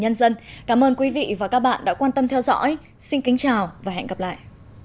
nhân dân cảm ơn quý vị và các bạn đã quan tâm theo dõi xin kính chào và hẹn gặp lại